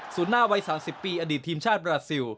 หน้าวัย๓๐ปีอดีตทีมชาติบราซิล